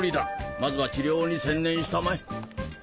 まずは治療に専念したまえ。